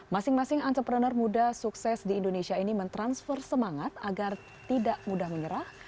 masing masing entrepreneur muda sukses di indonesia ini mentransfer semangat agar tidak mudah menyerah